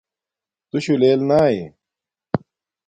تُشُݸ لݵل نݳئݺ؟